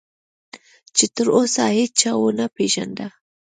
چې تراوسه هیچا ونه پېژانده.